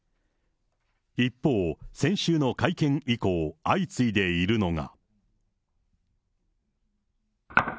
一方、先週の会見以降、相次いでいるのが。